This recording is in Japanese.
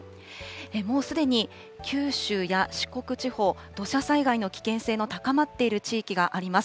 もうすでに九州や四国地方、土砂災害の危険性が高まっている地域があります。